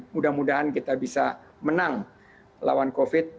mudah mudahan kita bisa menang lawan covid sembilan belas